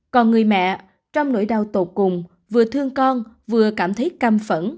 còn người mẹ trong nỗi đau tột cùng vừa thương con vừa cảm thấy căm phẫn